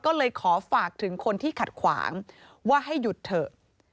ก็เลยขอฝากถึงคนที่ขัดขวางว่าให้หยุดเถอะ